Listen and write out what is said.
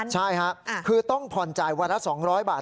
ใช่ค่ะคือต้องผ่อนจ่ายวันละ๒๐๐บาท